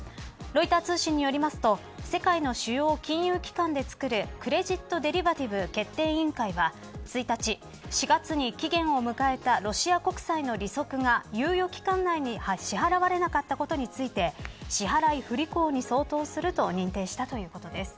ロイター通信によりますと世界の主要金融機関でつくるクレジットデリバティブ決定委員会は１日４月に期限を迎えたロシア国債の利息が猶予期間内に支払われなかったことについて支払い不履行に相当すると認定したということです。